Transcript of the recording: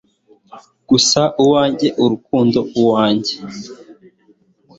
Gusa uwanjye urukundo uwanjye